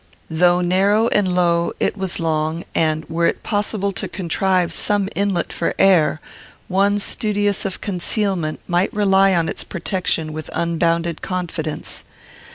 Though narrow and low, it was long, and, were it possible to contrive some inlet for the air, one studious of concealment might rely on its protection with unbounded confidence.